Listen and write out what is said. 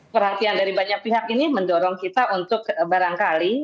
perhatian dari banyak pihak ini mendorong kita untuk barangkali